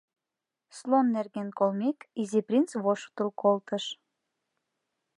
Слон нерген колмек, Изи принц воштыл колтыш: